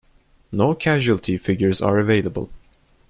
No casualty figures are available.